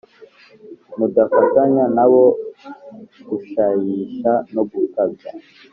mudafatanya na bo gushayisha no gukabya